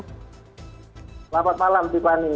selamat malam pipani